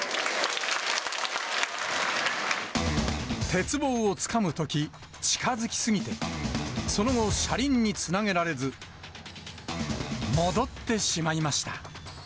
鉄棒をつかむとき、近づき過ぎて、その後、車輪につなげられず、戻ってしまいました。